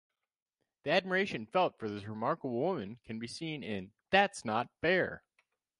The admiration felt for this remarkable woman can be seen in That's Not Fair!